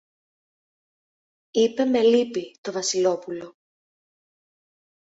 είπε με λύπη το Βασιλόπουλο.